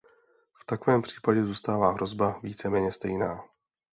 V takovém případě zůstává hrozba víceméně stejná.